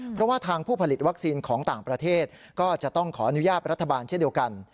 เพราะว่าทางผู้ผลิตวัคซีนของต่างประเทศก็จะต้องขออนุญาตรัฐบาลเช่นเดียวกัน